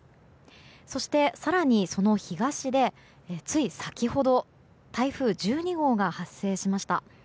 そして更にその東で、つい先ほど台風１２号が発生しました。